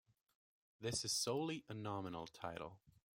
This is solely a nominal title.